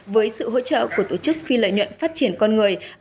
với sự hỗ trợ của tổ chức phi lợi nhuận phát triển con người